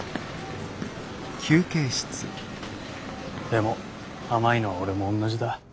でも甘いのは俺も同じだ。